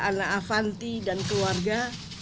anak avanti dan keluarga